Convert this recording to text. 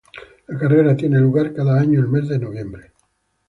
La carrera tiene lugar cada año el mes de noviembre.